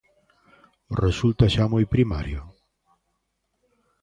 Resulta xa moi primario?